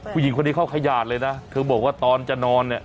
ผู้หญิงคนนี้เขาขยาดเลยนะเธอบอกว่าตอนจะนอนเนี่ย